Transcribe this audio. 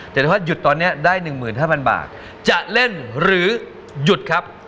แต่ถ้าหยุดตอนนี้ได้๑๕๐๐บาทจะเล่นหรือหยุดครับ